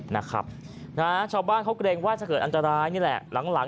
นะครับค่ะเฉาบ้านเขาเกรงว่าจะเกิดอันตรายนี่แหละหลัง